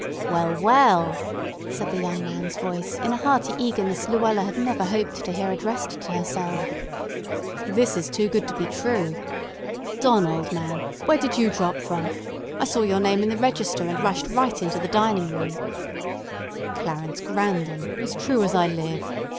"Well, well," said the young man's voice in a hearty eagerness Luella had never hoped to hear addressed to herself, "this is too good to be true. Don, old man, where did you drop from? I saw your name in the register, and rushed right into the dining room——" "Clarence Grandon, as true as I live!"